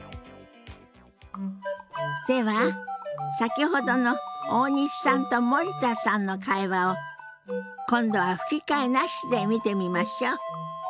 では先ほどの大西さんと森田さんの会話を今度は吹き替えなしで見てみましょう。